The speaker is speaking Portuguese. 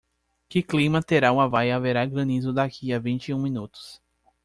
Que clima terá o Havai Haverá granizo daqui a vinte e um minutos